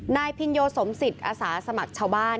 นายพินโยสมศิษย์อาสาสมัครชาวบ้าน